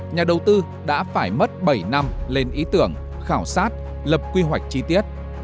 nhà đầu tư đã phải mất bảy năm lên ý tưởng khảo sát lập quy hoạch chi tiết